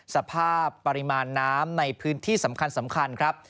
สภาพปริมาณน้ำในพื้นที่สำคัญครับ